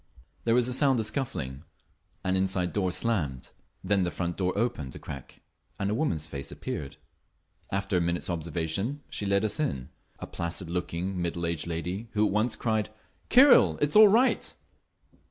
There was a sound of scuffling; an inside door slammed; then the front door opened a crack and a woman's face appeared. After a minute's observation she led us in—a placid looking, middle aged lady who at once cried, "Kyril, it's all right!"